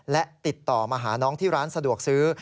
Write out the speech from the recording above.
และติดต่อมาหาน้องที่ร้านสะดวกซื้อ